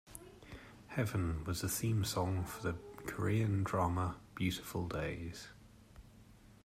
Heaven was a theme song for the Korean drama "Beautiful Days".